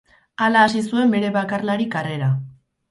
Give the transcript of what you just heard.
Hala hasi zuen bere bakarlari karrera.